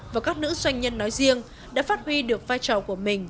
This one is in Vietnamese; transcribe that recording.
và các nữ doanh nhân nói riêng đã phát huy được vai trò của mình